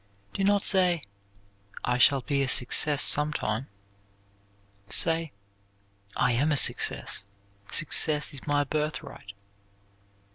Do not say, "I shall be a success sometime"; say, "I am a success. Success is my birthright."